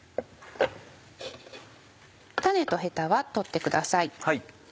種とヘタは取ってください。